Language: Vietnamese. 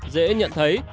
dễ nhận thấy